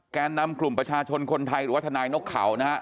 แกนนำกลุ่มประชาชนคนไทยหรือว่าทนายนกเขานะฮะ